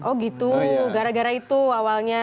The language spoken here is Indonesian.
oh gitu gara gara itu awalnya